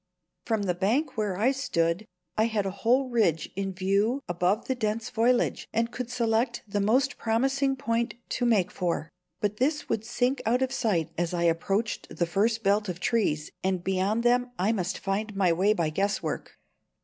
From the bank where I stood I had the whole ridge in view above the dense foliage, and could select the most promising point to make for; but this would sink out of sight as I approached the first belt of trees, and beyond them I must find my way by guesswork.